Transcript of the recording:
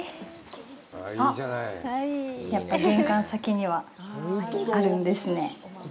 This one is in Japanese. あっ、やっぱり玄関先にはあるんですね。